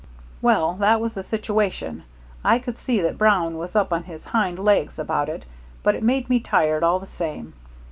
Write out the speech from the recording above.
"Well, that was the situation. I could see that Brown was up on his hind legs about it, but it made me tired, all the same.